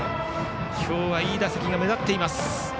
今日はいい打席が目立っています。